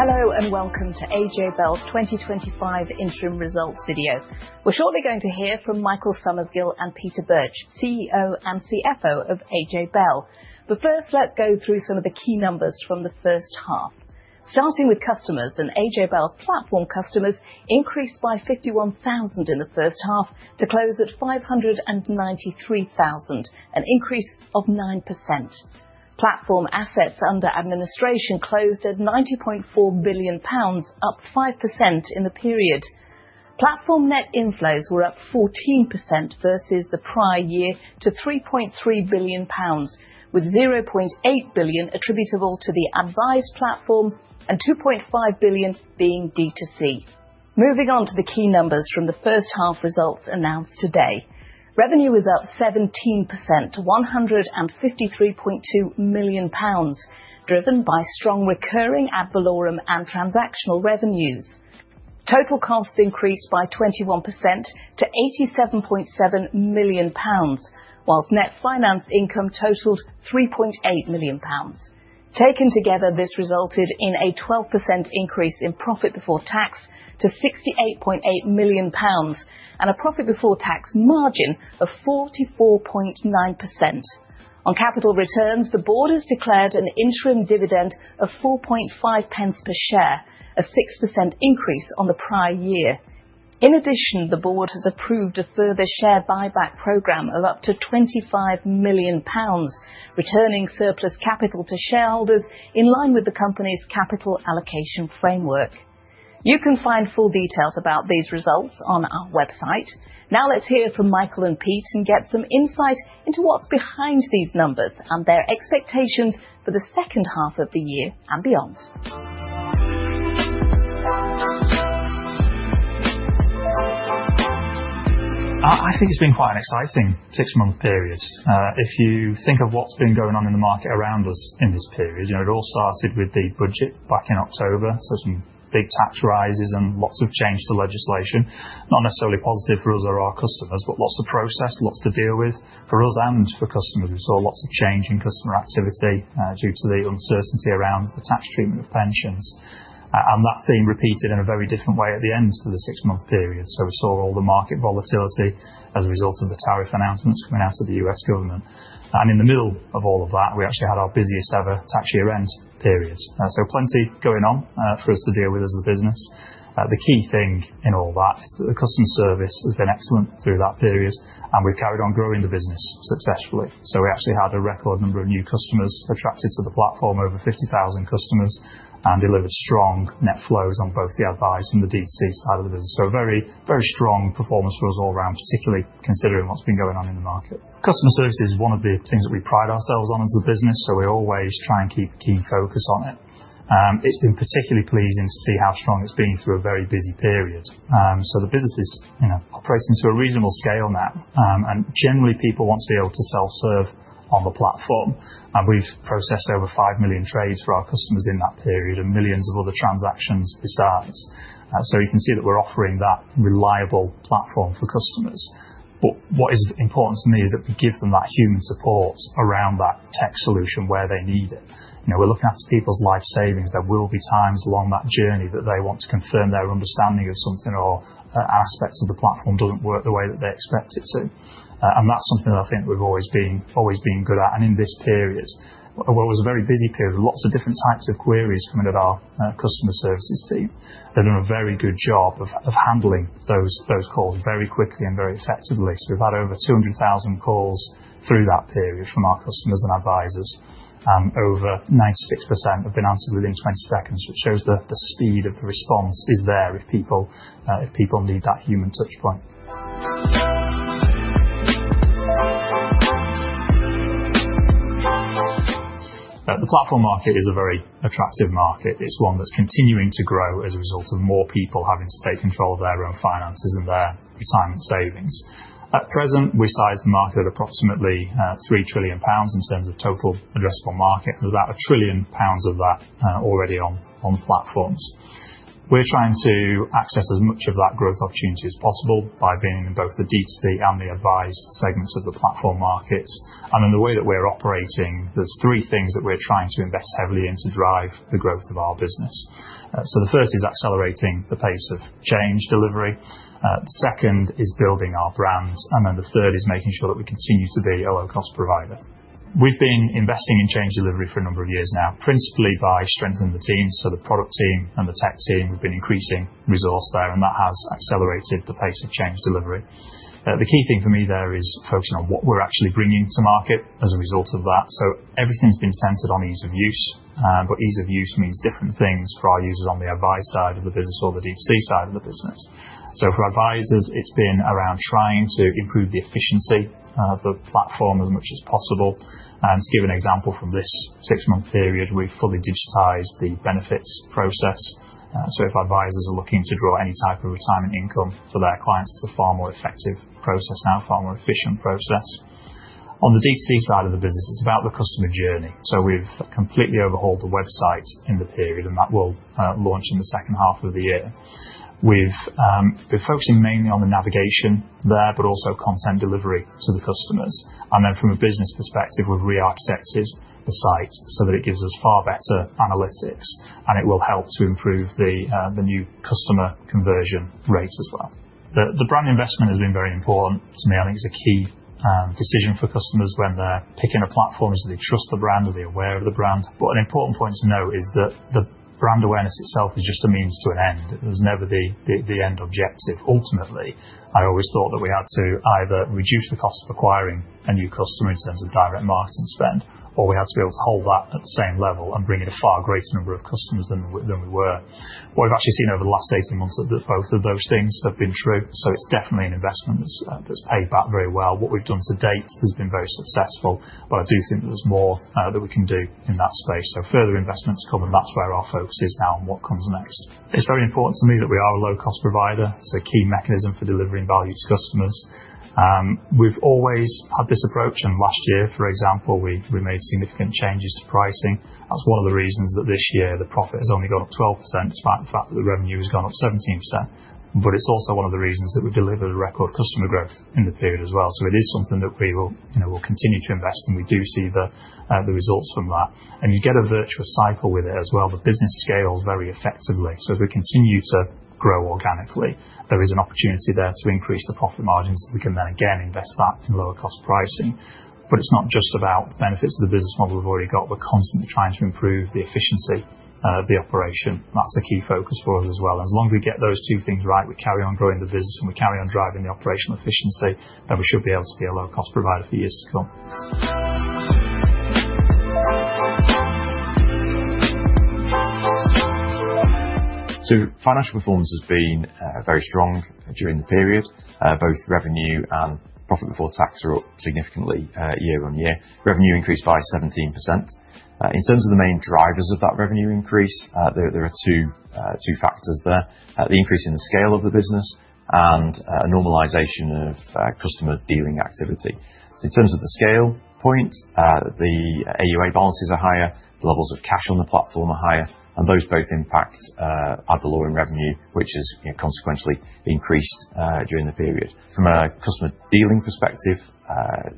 Hello and welcome to AJ Bell's 2025 Interim Results video. We're shortly going to hear from Michael Summersgill and Peter Birch, CEO and CFO of AJ Bell. First, let's go through some of the key numbers from the first half. Starting with customers, AJ Bell's platform customers increased by 51,000 in the first half to close at 593,000, an increase of 9%. Platform assets under administration closed at 90.4 billion pounds, up 5% in the period. Platform net inflows were up 14% versus the prior year to 3.3 billion pounds, with 0.8 billion attributable to the advised platform and 2.5 billion being D2C. Moving on to the key numbers from the first half results announced today. Revenue was up 17% to 153.2 million pounds, driven by strong recurring ad valorem and transactional revenues. Total costs increased by 21%-GBP 87.7 million, whilst net finance income totaled 3.8 million pounds. Taken together, this resulted in a 12% increase in profit before tax to 68.8 million pounds and a profit before tax margin of 44.9%. On capital returns, the board has declared an interim dividend of 4.50 per share, a 6% increase on the prior year. In addition, the board has approved a further share buyback program of up to 25 million pounds, returning surplus capital to shareholders in line with the company's capital allocation framework. You can find full details about these results on our website. Now let's hear from Michael and Pete and get some insight into what's behind these numbers and their expectations for the second half of the year and beyond. I think it's been quite an exciting six-month period. If you think of what's been going on in the market around us in this period, it all started with the budget back in October, so some big tax rises and lots of change to legislation, not necessarily positive for us or our customers, but lots to process, lots to deal with. For us and for customers, we saw lots of change in customer activity due to the uncertainty around the tax treatment of pensions. That theme repeated in a very different way at the end of the six-month period. We saw all the market volatility as a result of the tariff announcements coming out of the U.S. government. In the middle of all of that, we actually had our busiest ever tax year-end period. Plenty going on for us to deal with as a business. The key thing in all that is that the customer service has been excellent through that period, and we've carried on growing the business successfully. We actually had a record number of new customers attracted to the platform, over 50,000 customers, and delivered strong net flows on both the advised and the D2C side of the business. A very, very strong performance for us all around, particularly considering what's been going on in the market. Customer service is one of the things that we pride ourselves on as a business, so we always try and keep a keen focus on it. It's been particularly pleasing to see how strong it's been through a very busy period. The business is operating to a reasonable scale now, and generally, people want to be able to self-serve on the platform. We've processed over 5 million trades for our customers in that period and millions of other transactions besides. You can see that we're offering that reliable platform for customers. What is important to me is that we give them that human support around that tech solution where they need it. We're looking after people's life savings. There will be times along that journey that they want to confirm their understanding of something or an aspect of the platform doesn't work the way that they expect it to. That's something that I think we've always been good at. In this period, it was a very busy period with lots of different types of queries coming at our customer services team. They've done a very good job of handling those calls very quickly and very effectively. We've had over 200,000 calls through that period from our customers and advisors, and over 96% have been answered within 20 seconds, which shows the speed of the response is there if people need that human touchpoint. The platform market is a very attractive market. It's one that's continuing to grow as a result of more people having to take control of their own finances and their retirement savings. At present, we size the market at approximately 3 trillion pounds in terms of total addressable market, and there's about 1 trillion pounds of that already on the platforms. We're trying to access as much of that growth opportunity as possible by being in both the D2C and the advised segments of the platform markets. In the way that we're operating, there's three things that we're trying to invest heavily in to drive the growth of our business. The first is accelerating the pace of change delivery. The second is building our brand. The third is making sure that we continue to be a low-cost provider. We've been investing in change delivery for a number of years now, principally by strengthening the team. The product team and the tech team, we've been increasing resource there, and that has accelerated the pace of change delivery. The key thing for me there is focusing on what we're actually bringing to market as a result of that. Everything's been centered on ease of use, but ease of use means different things for our users on the advised side of the business or the D2C side of the business. For advisors, it's been around trying to improve the efficiency of the platform as much as possible. To give an example from this six-month period, we've fully digitized the benefits process. If advisors are looking to draw any type of retirement income for their clients, it's a far more effective process now, far more efficient process. On the D2C side of the business, it's about the customer journey. We've completely overhauled the website in the period, and that will launch in the second half of the year. We've been focusing mainly on the navigation there, but also content delivery to the customers. From a business perspective, we've re-architected the site so that it gives us far better analytics, and it will help to improve the new customer conversion rates as well. The brand investment has been very important to me. I think it's a key decision for customers when they're picking a platform, whether they trust the brand or they're aware of the brand. An important point to note is that the brand awareness itself is just a means to an end. It's never the end objective. Ultimately, I always thought that we had to either reduce the cost of acquiring a new customer in terms of direct marketing spend, or we had to be able to hold that at the same level and bring in a far greater number of customers than we were. What we've actually seen over the last 18 months is that both of those things have been true. It's definitely an investment that's paid back very well. What we've done to date has been very successful, but I do think there's more that we can do in that space. Further investments to come, and that's where our focus is now and what comes next. It's very important to me that we are a low-cost provider. It's a key mechanism for delivering value to customers. We've always had this approach, and last year, for example, we made significant changes to pricing. That's one of the reasons that this year the profit has only gone up 12% despite the fact that the revenue has gone up 17%. It's also one of the reasons that we've delivered record customer growth in the period as well. It is something that we will continue to invest, and we do see the results from that. You get a virtuous cycle with it as well. The business scales very effectively. As we continue to grow organically, there is an opportunity there to increase the profit margins so we can then again invest that in lower-cost pricing. It is not just about the benefits of the business model we have already got. We are constantly trying to improve the efficiency of the operation. That is a key focus for us as well. As long as we get those two things right, we carry on growing the business, and we carry on driving the operational efficiency, then we should be able to be a low-cost provider for years to come. Financial performance has been very strong during the period. Both revenue and profit before tax are up significantly year on year. Revenue increased by 17%. In terms of the main drivers of that revenue increase, there are two factors there: the increase in the scale of the business and a normalization of customer dealing activity. In terms of the scale point, the AUA balances are higher, the levels of cash on the platform are higher, and those both impact ad valorem revenue, which has consequently increased during the period. From a customer dealing perspective,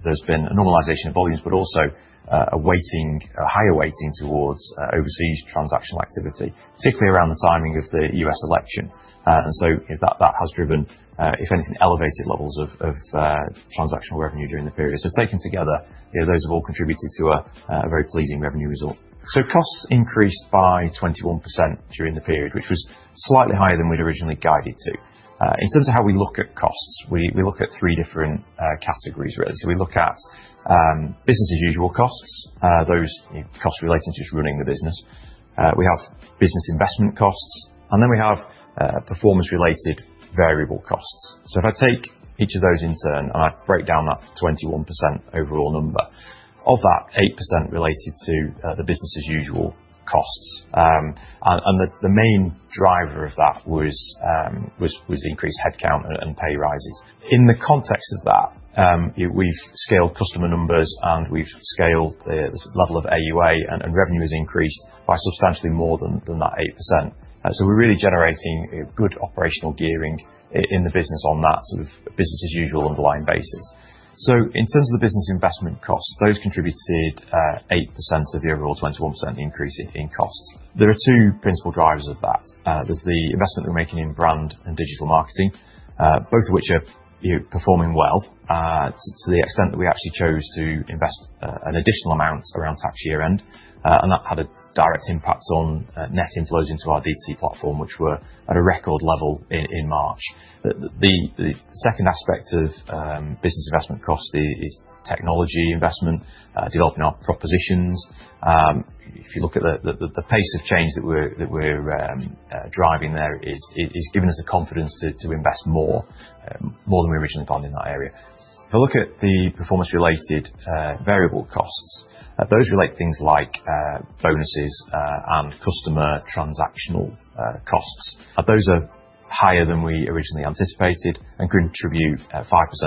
there has been a normalization of volumes, but also a higher weighting towards overseas transactional activity, particularly around the timing of the US election. That has driven, if anything, elevated levels of transactional revenue during the period. Taken together, those have all contributed to a very pleasing revenue result. Costs increased by 21% during the period, which was slightly higher than we'd originally guided to. In terms of how we look at costs, we look at three different categories, really. We look at business-as-usual costs, those costs relating to just running the business. We have business investment costs, and then we have performance-related variable costs. If I take each of those in turn and I break down that 21% overall number, of that, 8% related to the business-as-usual costs. The main driver of that was increased headcount and pay rises. In the context of that, we've scaled customer numbers, and we've scaled the level of AUA, and revenue has increased by substantially more than that 8%. We're really generating good operational gearing in the business on that sort of business-as-usual underlying basis. In terms of the business investment costs, those contributed 8% of the overall 21% increase in costs. There are two principal drivers of that. There's the investment we're making in brand and digital marketing, both of which are performing well to the extent that we actually chose to invest an additional amount around tax year-end, and that had a direct impact on net inflows into our D2C platform, which were at a record level in March. The second aspect of business investment cost is technology investment, developing our propositions. If you look at the pace of change that we're driving there, it's giving us the confidence to invest more than we originally planned in that area. If I look at the performance-related variable costs, those relate to things like bonuses and customer transactional costs. Those are higher than we originally anticipated and contribute 5%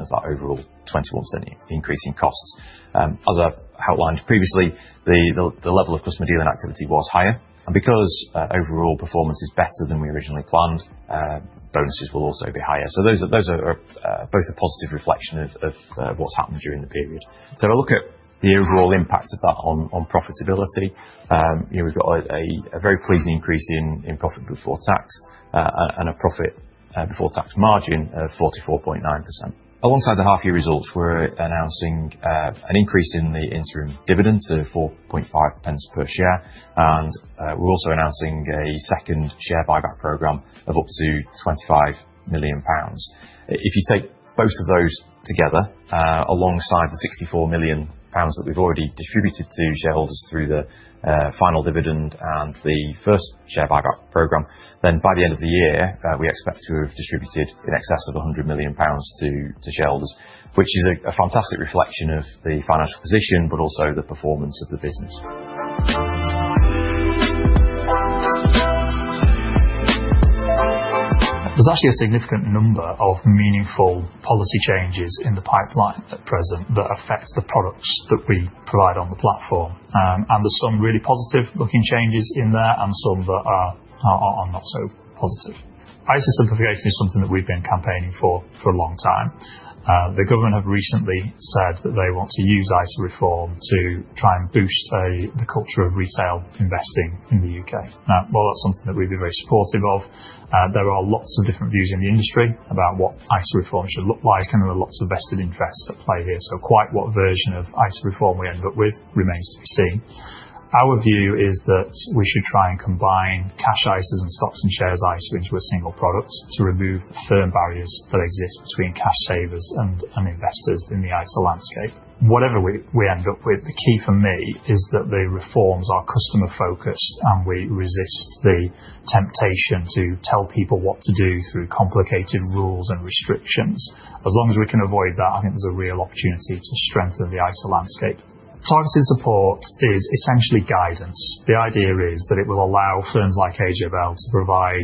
of that overall 21% increase in costs. As I outlined previously, the level of customer dealing activity was higher, and because overall performance is better than we originally planned, bonuses will also be higher. Those are both a positive reflection of what's happened during the period. If I look at the overall impact of that on profitability, we've got a very pleasing increase in profit before tax and a profit before tax margin of 44.9%. Alongside the half-year results, we're announcing an increase in the interim dividend to 4.50 per share, and we're also announcing a second share buyback program of up to 25 million pounds. If you take both of those together, alongside the 64 million pounds that we've already distributed to shareholders through the final dividend and the first share buyback program, then by the end of the year, we expect to have distributed in excess of 100 million pounds to shareholders, which is a fantastic reflection of the financial position, but also the performance of the business. There's actually a significant number of meaningful policy changes in the pipeline at present that affect the products that we provide on the platform. There are some really positive-looking changes in there and some that are not so positive. ISA simplification is something that we've been campaigning for a long time. The government have recently said that they want to use ISA reform to try and boost the culture of retail investing in the U.K. Now, while that's something that we've been very supportive of, there are lots of different views in the industry about what ISA reform should look like, and there are lots of vested interests at play here. Quite what version of ISA reform we end up with remains to be seen. Our view is that we should try and combine cash ISAs and stocks and shares ISA into a single product to remove the firm barriers that exist between cash savers and investors in the ISA landscape. Whatever we end up with, the key for me is that the reforms are customer-focused, and we resist the temptation to tell people what to do through complicated rules and restrictions. As long as we can avoid that, I think there's a real opportunity to strengthen the ISA landscape. Targeted support is essentially guidance. The idea is that it will allow firms like AJ Bell to provide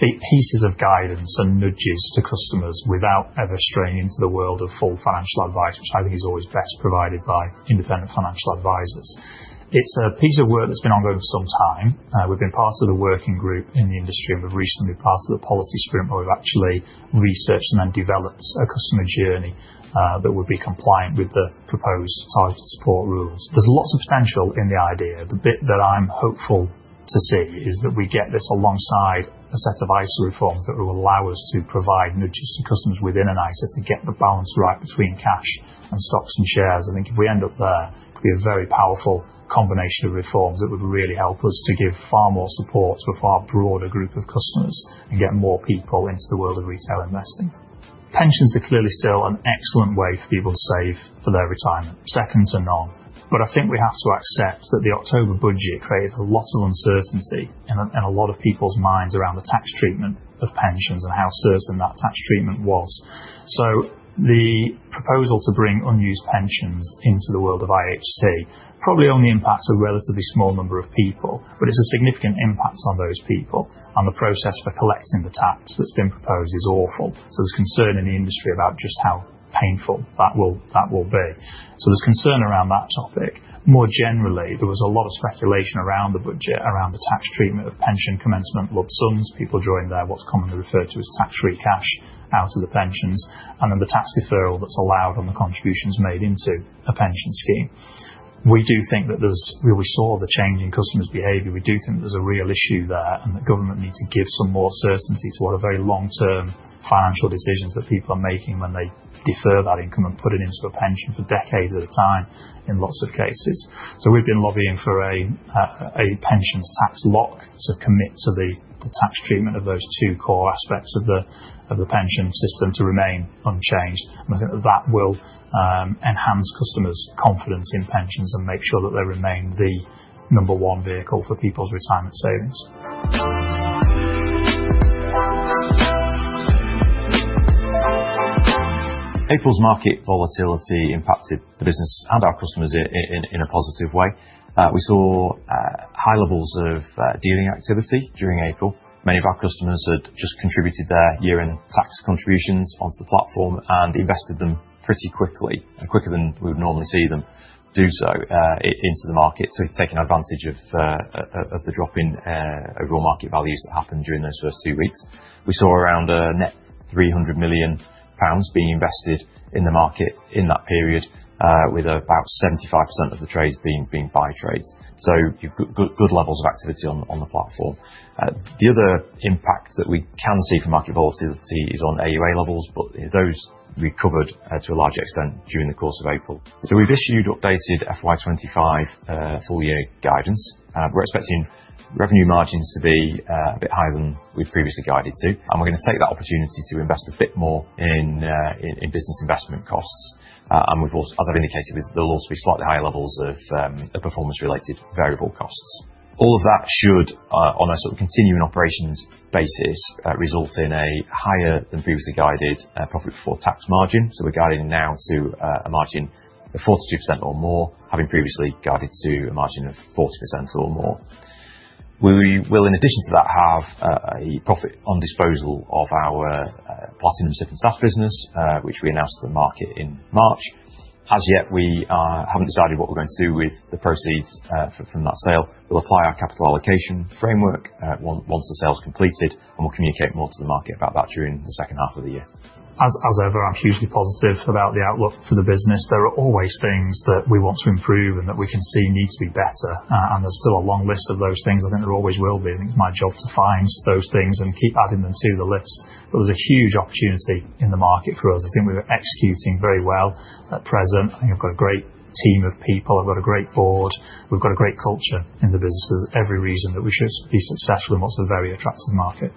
pieces of guidance and nudges to customers without ever straying into the world of full financial advice, which I think is always best provided by independent financial advisors. It's a piece of work that's been ongoing for some time. We've been part of the working group in the industry, and we've recently been part of the policy sprint where we've actually researched and then developed a customer journey that would be compliant with the proposed targeted support rules. There's lots of potential in the idea. The bit that I'm hopeful to see is that we get this alongside a set of ISA reforms that will allow us to provide nudges to customers within an ISA to get the balance right between cash and stocks and shares. I think if we end up there, it'd be a very powerful combination of reforms that would really help us to give far more support to a far broader group of customers and get more people into the world of retail investing. Pensions are clearly still an excellent way for people to save for their retirement, second to none. I think we have to accept that the October budget created a lot of uncertainty in a lot of people's minds around the tax treatment of pensions and how certain that tax treatment was. The proposal to bring unused pensions into the world of IHT probably only impacts a relatively small number of people, but it's a significant impact on those people, and the process for collecting the tax that's been proposed is awful. There's concern in the industry about just how painful that will be. There's concern around that topic. More generally, there was a lot of speculation around the budget, around the tax treatment of pension commencement lump sums, people drawing their what's commonly referred to as tax-free cash out of the pensions, and then the tax deferral that's allowed on the contributions made into a pension scheme. We do think that there's—we saw the change in customers' behavior. We do think there's a real issue there and that government needs to give some more certainty to what are very long-term financial decisions that people are making when they defer that income and put it into a pension for decades at a time in lots of cases. We have been lobbying for a pensions tax lock to commit to the tax treatment of those two core aspects of the pension system to remain unchanged. I think that that will enhance customers' confidence in pensions and make sure that they remain the number one vehicle for people's retirement savings. April's market volatility impacted the business and our customers in a positive way. We saw high levels of dealing activity during April. Many of our customers had just contributed their year-end tax contributions onto the platform and invested them pretty quickly, quicker than we would normally see them do so, into the market, taking advantage of the drop in overall market values that happened during those first two weeks. We saw around a net 300 million pounds being invested in the market in that period, with about 75% of the trades being buy trades. Good levels of activity on the platform. The other impact that we can see from market volatility is on AUA levels, but those recovered to a large extent during the course of April. We have issued updated FY2025 full-year guidance. We're expecting revenue margins to be a bit higher than we've previously guided to, and we're going to take that opportunity to invest a bit more in business investment costs. As I've indicated, there'll also be slightly higher levels of performance-related variable costs. All of that should, on a sort of continuing operations basis, result in a higher than previously guided profit before tax margin. We're guiding now to a margin of 42% or more, having previously guided to a margin of 40% or more. We will, in addition to that, have a profit on disposal of our Platinum SIPP and SSAS business, which we announced to the market in March. As yet, we haven't decided what we're going to do with the proceeds from that sale. We'll apply our capital allocation framework once the sale's completed, and we'll communicate more to the market about that during the second half of the year. As ever, I'm hugely positive about the outlook for the business. There are always things that we want to improve and that we can see need to be better, and there's still a long list of those things. I think there always will be. I think it's my job to find those things and keep adding them to the list. There is a huge opportunity in the market for us. I think we're executing very well at present. I think I've got a great team of people. I've got a great board. We've got a great culture in the business. There's every reason that we should be successful in what's a very attractive market.